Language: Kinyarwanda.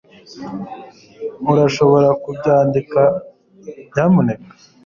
Urashobora kubyandika nyamuneka